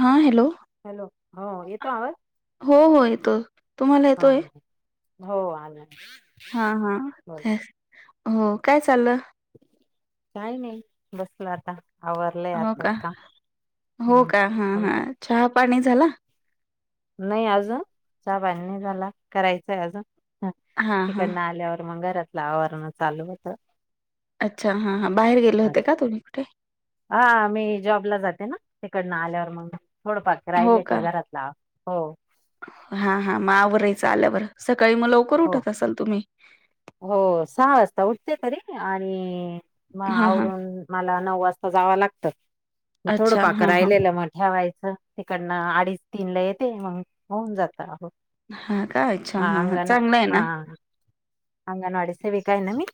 हा hello. Hello हो येतो आवाज हो हो येतो तुम्हाला हा येतोय. हो आलं. हा हा तेच हो काय चाललं. काय नाही बसला आता आवरलंय हो का आताच काम हो हम्म का हा हा समज चहा पाणी झाला. नाही अज चहा बहिनी झाला करायचंय अज ह हा हा इकडनं आल्यावर मग घरातलं आवरण चालू होत. अच्छा हा हा बाहेर गेले होते का तुम्ही कुठे हा मी जॉबला जाते ना. तिकडनं आल्यावर मग थोडंफार राहिले का घरातला हो. हा हा मावरयच आल्यावर स लवकर उत हो असाल तुम् हो सहा वाजता उठते तरी आणि मग हा हा आवरून मला नऊ वाजता जावा ग थोडं अच्छा पाक हा हा राहिलेलं मग ठेवायचं तिकडन अडी. तीन ला येते मग होऊन जाता. हा काय इच्छा हा चाल. हा हंग नडसेव काय न मी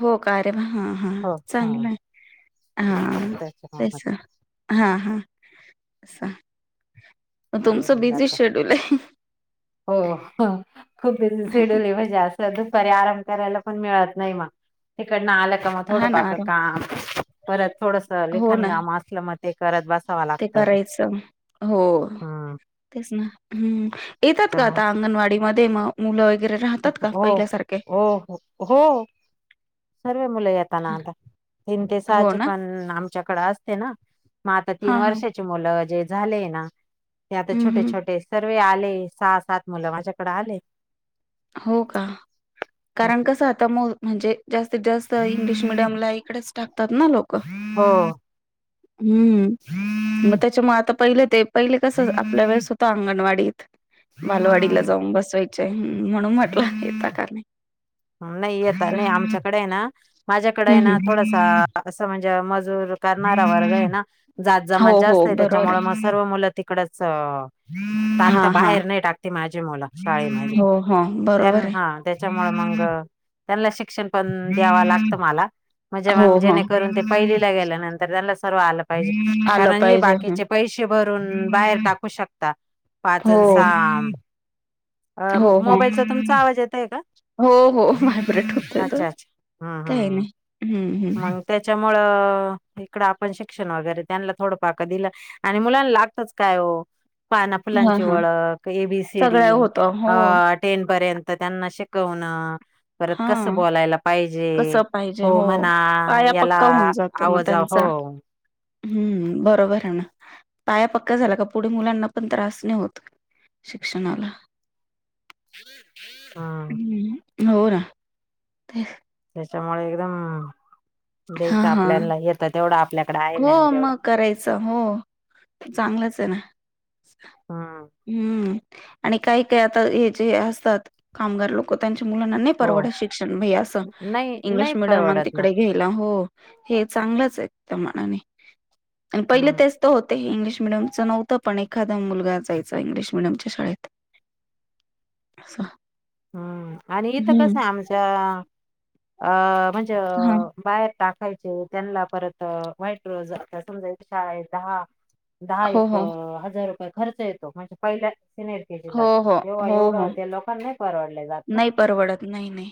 हो का रे हा हा हो हा चांगलं आहे. हा तेस त्याच्यामुळे हा हा. तुमचं बिझी जात शेड्यूल आहे. हो खूप सिडली मजा असते. करायला पण मित नाही तिकड आ. मग थोडं हा ना पा आराम काम परत थोडस हो ललेखन ना काम असलं मग ते करत बस. ते करायचं हो हम्म तेच ना हम्. येतात का त्याच्यामुळे आता अंगणवाडीमध्ये म मुलं. वगैरे हो राहतात का पहिल्यासारखे हो हो हो. सर्व मुलं येताना आता तीन ते हो सहाचे ना पण आमच्याकडे असत. मग आता तीन हा हा वर्षाचे मुलं जे झाले ना ते आता हम्म छोटे हम्म छोटे सर्व. आले सहा सात मुलं माझ्याकडे आले. हो का हं. कारण कस आता म. म्हणजे जास्तीत जास्त इंग्लिश मिीडियम ला इकडेच टाकतात ना लोक हो. हम्म. मग त्याच्यामुळे आता पहिलं ते पहिले कस आपल्या वेळेसद्धा अंगणवाडीत बालवाडीला हम्म जाऊन बसवायचय म्हणून म्हटला येत का नाही. नाही येत नाही असं. आमच्याकडे आहे ना माझ्याकडे हम्म आहे ना हम्म. थोडासा असं म्हणजे म करणारा वर्ग आहे ना जात हो जमात हो जास्त आहे बरोबर त्याच्यामुळे मग सर्व मुलं तिकडच टाकता हा हा बाहेर नाही टाकती माझी मुलं शाळेमध्ये हो हो बरोबर आहे हा त्याच्यामुळे मग त्यांना शिक्षण पण द्यावं लागतं मला. म्हणजे हो मग हो जेणे करून ते पहिलीला गेल्या नंतर त्याला सर्व आलं पाहिजे आलं कारण हे पाहिजे बाकीचे पैसे भरून बाहेर टाकू शकता हो पाचन साम हो हो येतय का हो हो व्हायब्रेट होत तो. अच्छा अच्छा हम्म काही हम्म नाही हम्म. हम्म, मग त्याच्या मूळ इकडं आपण शिक्षण वगैरे त्यांना थोडं पाक दिलं आणि मुलांना लागतच काय हो हां, पानपुलांची हां ओळख ए बी सी सगळ्या डी होतं हो, टेन पर्यंत त्यांना शिकवण परत कस हां बोलायला पाहिजे. कसं पाहिजे हो. म्हणा पाया याला पक्का होऊन जातो मग आवाजा हो. त्यांचा. हम्म बरोबर आहे ना. पाया पक्का झाला का पुढे मुलांना पण त्रास नाही होत शिक्षणाला. [unintelligible] हम्म हो ना. त्याच्यामुळे एकदम द्यायच हां, हां. आपल्याला येत तेवढं आपल्याकडे आहे हो ना तेवढं मग करायचं हो चांगलंच आहे ना. हम्म हम्म आणि काही काय आता हे जे असतात कामगार लोक त्यांच्या मुलांना नाही हो परवडत शिकषण असं नाही इंग्लिश नाही मिडियम आणि परवडत ना तिकडे घ्यायला हो. हे चांगलंच आहे त्या मानाने पहिले हम्म तेच तर होत इंग्लिश मिडीयमचं नव्हं पण एखादा मुलगाच इंग्लिश मिडियमच्या शाळेत अस हम्म आणि इथं कसं आहे आमच्या अं म्हणजे हा बाहेर टाक खायचे त्यांना परत वाईट रोज समजा शाळेत दहा दहा हो एक हो हजार रुपये खर्च येतो म्हणजे पहिल्या सिनेर के जी ला हो हो तेव्हा हो हो एवढं त्या लोकांना परवडले जात ना नाही परवडत नाही नाही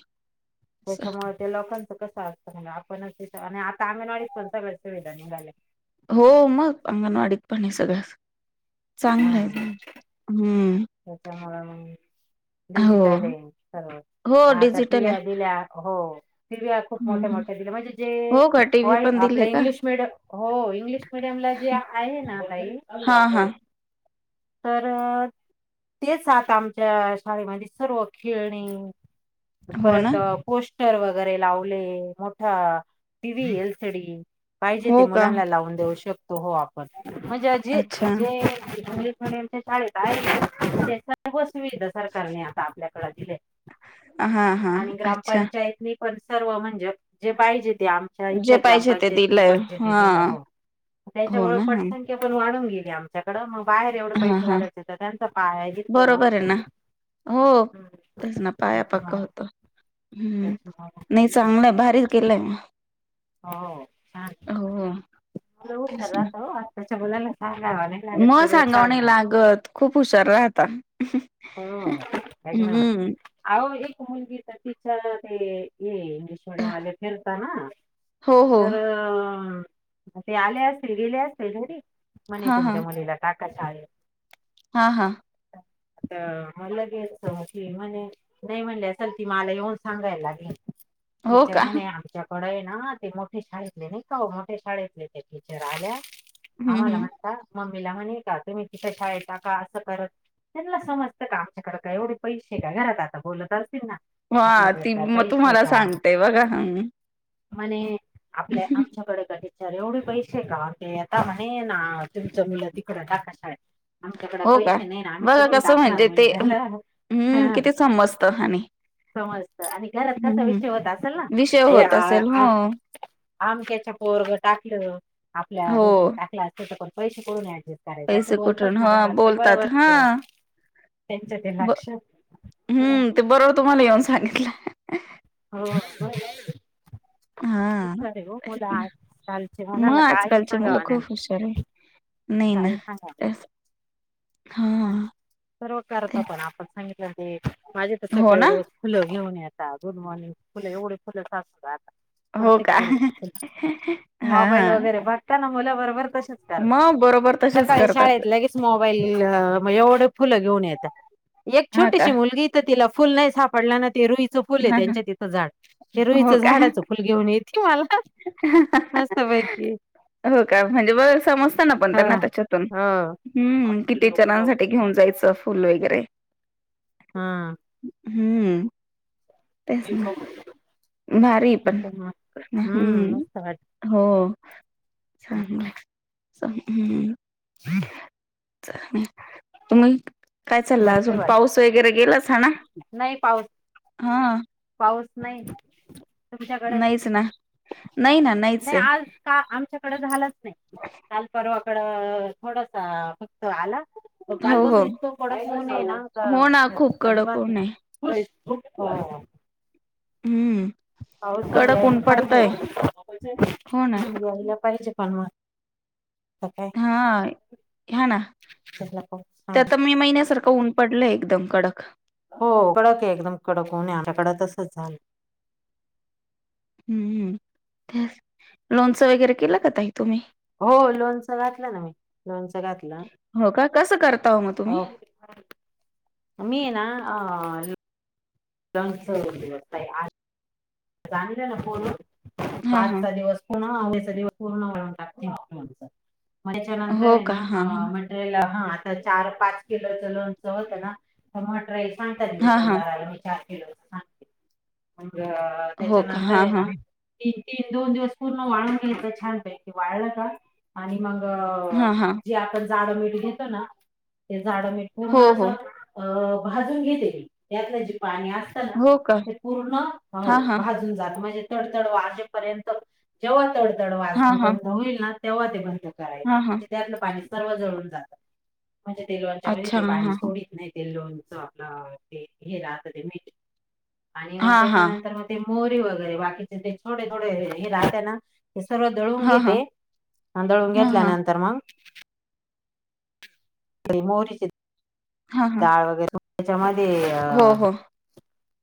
असं. त्याच्यामुळे ते लोक कस असतं आपणच आता अंगणवाडी पण सर्व सुविधा निघाले हो मग अंगणवाडीत पण सगळं चांगलं आहे. हम्म त्याच्यामुळेला मग. हो डिजिटल आहे सर्व हो आता डिजिटल आहे शिव्या दिल्या हो शिव्या खूप हम्म मोठ्या हम्म मोठ्या दिल्या म्हणजे हो का टीव्ही जे पण आपला दिले का इंग्लिश मिडयम हो इंग्लिश मिडियमला जे आहे ना ताई. हा हा तर तेच आात आमच्या शाळेमध्ये सर्व खेळणे हो ना परत पोस्टर वगैरे लावले मोठा T V L C D पाहिजे ते हो का मुलांना लावून देऊ शकतो हो आपण. म्हणजे जे अच्छा जे इंग्लिश मिडीयम च्या शाळेत आहेत ना त्या सगळ्या वस्तू विधा सरकारने आ आपल्याकडे दिले आहे हा हा आणि अच्छा ग्रामपंचायतनी पण सर्व म्हणजे जे पाहिजे ते आमच्या जे इथल्या पाहिजे ते ग्रामपंचायतीनी दिलंय पण जेथ हा दिलं हो. हो त्याच्यामुळे ना. हां, पटसंख्या पण वाढून गेली आमच्याकडं मग बाहेर तेवढे हां. पैसे हां. घालायचे तर त्यांचं पाय इथं बरोबर आहे होत ना. हो तस ना पाया पक्क होत. हम्म नाही चांगलंय भारीच केलाय मग हो छान हो, लय उशार राता ओ आत्ता म सांगावणे आहे. लागत खूप हुशार राहता. ह एक ना हं. अह एक म्हणजेचछा ते ये. सोडेवाले फिरता ना हो, हो. तर ते आले असतील गेले असतील घरी म्हणे तुमच्या मुलीला टाका शाळेत. हा हा. आ म लगेल की म्हणे नाही म्हणले असल ती मला येऊन सांगायला लागेल. हो टीचार का? म्हणे आच्या कडय ना ते मोठे शाळेतले नाही का मोठे शाळेतले ते टीचर आल्या हं, आम्हाला हं. म्हणता मम्मीला म्हणे का तुम्ही तिथं ठेव्हयच का असं करत त्यांना समजतं का आमच्याकडे काय एवढे पैसे का घरात आता बोलतच असतील ना हा आपल्याकडे ती काय मग पैसे तुम्हाला सांगतेय बघा ह. म आपल्या आमच्याकडे कठी र एवढे पैसे का ते आता म्हणे ना तुमचं मुलं तिकड टाका शाळेत. आमच्याकडे हो का? पैसे नाही ना आम कसं म्हणजे ते हम्म ह किती समजत आणि समजत आणि घरात हं, कसा हं. विषय होता असल विषय होत असेल. ना. हो, आमक्याच्या पोरग टाकलं आपल्या हो. दिदी टाकला असेल तर पण पैसे कूडून अड्जस्ट कराय असं पैसे बोलतच कुठून ना हा घरात ते बोलतात हा बरोबर. त्यांच्या ते लक्षत मला येऊनच सांगितलं, हो हा ना हो मुलं आजकालचे मग म्हणाला काही आजकालचे मुलं सांगाव खूप नाही हुशार आहे. नही ना. हा सर्व ते करता पण आपण सांगितलं ते माझे तर हो सकाळी ना रोज फुलं घेऊन येतात गुड मॉर्निंग फुलं एवढे फुलं साचतात. हो परतेक का पोरग हा हा मोबाईल वगैरे बघतान मुलं बरबर कशाच कारण मग बरोबर तसेच सकाळी करतात शाळेत लगेच मोबाईल म एवढ फुल घेऊन येत्या एक हा का छोटीशी मुलगी तर तिला फुल नाय सापडल ना ते रुईचं फुल ये हा हा त्यांच्या तिथं झाड हे हो रुईचं का झाडाचं फुल घेऊन येती. तु मला मस्त पैकी हो का म्हणजे बरबर समजतना पण हा त्यांना त्याच्यातून हो हम्म की टीचरानसाठी घेऊन जायचं फुल वगैरे हा हम्म तेच ना [inaudible] भारी ये पण हम्म मस्त वाटत हो. [unintelligible] [unintelligible] काय चाललं बघते अजून वाटत पाऊस वगैरे गेलासा ना हा पाऊच नाही. तुमच्याकडे नाहीच ना. नाही ना नाहीच नाही आहे आज का आमच्याकड झालच नाय काल परवा त थोडसा फक्त आला. म हो कालपासून हो इतकं कडक ऊन हाय ना त हो ना खूप कडक ऊन आजिबात आहे नाय [unintelligible] हम्म पाऊस कडक ऊन पडतय हो ना [unintelligible] यायला पाहिजे. पण म हाय ह्या न त्याला पाऊस ते सांग आता मे महिन्यासारखं ऊन पडलय एकदम कडक. हो कडक हे एकदम कडक ऊन हे आमच्या कड तसच झालं. हम्म्म तेच लोणचं वगैरे केलं ताई? तुम्ही हो लोनच घातलं ना मी लोनचं घातलं. त करता ओ म तुम्ही हो मी ना अ [unintelligible] ना फोनवर म हा हा आजचा दिवस पुन्हा उद्याचा दिवस पूर्ण वाळवून टाकते बग लोणचं म त्याच्या नंतर हो ये का ना हा आ मटेरियल हा आता चार पाच किलो चं लोणचं होतं ना तर मटरेल सांगतात हा हा हा दुकानदाराला विचार मग हो का त्याच्यानंतर हा ये हा ना ती ती दोन दिवस पूर्ण वाळून घ्यायच छानपैकी वाळलं का आणि मग हा हा जे आपण जाडं मीठ घेतो ना ते जाड मीठ हो पूर्ण अस हो अ भाजून घेते मी त्यातलं जे पाणी अस त ना हो का ते पूर्ण हा हो हा भाजून जात म्हणजे तड तड वाजेपर्यंत जेव्हा तड तड हा वाजण हा बंद होईल ना तेव्हा ते बंद करायचं हा हा म्हणजे त्यातलं पाणी सर्व जळून जात. म्हणजे ते लोंच्यामध्ये अच्छा ते हा पाणी हा सोडीत नाई ते लों च आपलं ते हे राहत ते मीठ आणि मग हां, हां. त्याच्यानंतर म मोहरी वगैरे बाकीचे ते थोडे थोडे हे हे राहते ना हे सर्व दळून हां, हां. घेते आणि दळून हां, हां. घेतल्यानंतर मग मोहरीचीच हां, हां. डाळ वगैरे त्याच्यामध्ये अ हो, हो.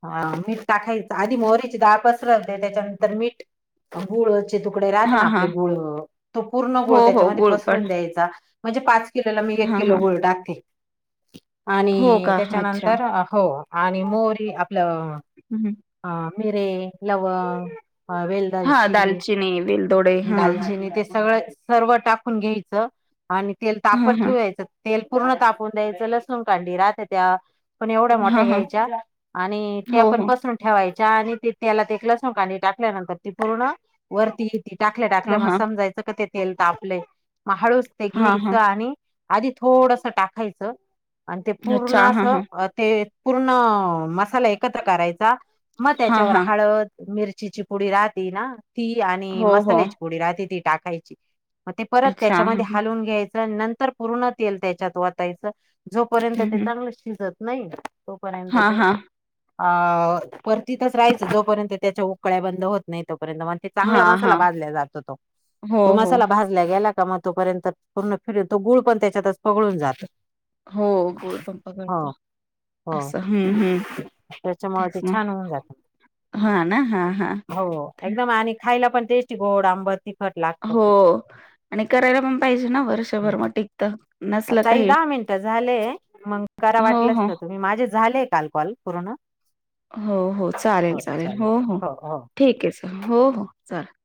हा मीठ टाकायचं आधी मोहरीची डाळ पसरवते त्याच्यानंतर मीठ गूळ ची तुकडे हां, हां. आपली गूळ तो पूर्ण हो, गुळ हो. त्याच्यामध्ये गुळपण. पसरून द्यायचा म्हणजे पाच किलोला मी एक हां, किलो हां. गुळ टाकते हो आणि का? अच्छा. त्याच्यानंतर हो. आणि मोहरी आपलं हं, हं. हा मेरे लवंग हा वेल हां, दालची दालचिनी, वेलदोडे. हां, हां. दालचिनी ते सगळं सर्व टाकून घ्यायचं आणि तेल तापत हां, हां. ठेवायचं तेल पूर्ण तापून द्यायचं लसूण कांडी रात त्या पण एवढ्या मोठ्या हां, हां. घ्यायच्या आणि ते हो, आपण हो. पसरून च्या आणि ती तेलात एक लसूण कांडी टाकल्यानंतर ती पूर्ण वरती ती टाकल्या टाकल्या हां, मग हां. समजायचं का ते तेल तापलय म हळूच ते हां, हां. घ्यायचं आणि आधी थोडस टाकायचं आणि ते पूर्ण अच्छा. हां, असं हां. अ ते पूर्ण मसाला एकत्र करायचा मग हां, त्याच्यावर हां. हळद मिर चीची पुडी राहते ना ती आणि हो, हो. मसाल्याची पुडी राहते ती टाकायची. मग ते परत अच्छा. हां, त्याच्यामध्ये हां. हालून घ्यायचं नंतर पूर्ण तेल त्याच्यात वतायचं. जोपर्यंत हं, ते हं. चांगलं शिजत नाही तोपर्यंत हां, ते हां. अ परतीतच रायचं जोपर्यंत त्याच्या उकळ्या बंद होत नाहीत. तोपर्यंत म्हणती चांगला हां, मसाला हां. भाजल्या जातो हो, तो हो. मसाला भाजला गेला का म तोपर्यंत पूर्ण फिरून तो गुळ पण त्याच्यातच पगळून जातो. हो गुळ पण हो पगळतो हो असं हम्म हम्म त्याच्यामुळे तेच ते ना. छान होऊन जात हां ना. हां, हां. हो एकदम आणि खायला पण टेस्टी गोड आंबट ती हो आणि करायला पण पाहिजे ना वर्षभर म टिकत. आ ताई दहा मिनटं झाले मग करा हो वाटलस हो तर तुम्ही माझे झाले. काल कॉल पुर्ण. हो हो चालेल चालेल हो हो ठीक आहे स हो हो चालेल.